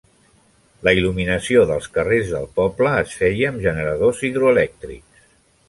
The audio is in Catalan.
La il·luminació dels carrers del poble es feia amb generadors hidroelèctrics.